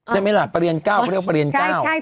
ใช่ไหมล่ะประเรียน๙เขาเรียกว่าเรียน๙